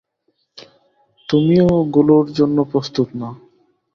তুমিও গুলোর জন্য প্রস্তুত না।